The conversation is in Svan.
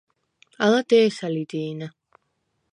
ალა დე̄სა ლი დი̄ნა.